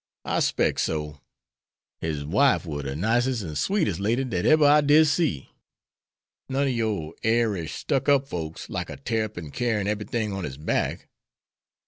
"I specs so. His wife war de nicest and sweetest lady dat eber I did see. None ob yer airish, stuck up folks, like a tarrapin carryin' eberything on its back.